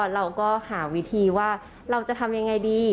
เราก็หาวิธีว่าเราจะทำยังไงดี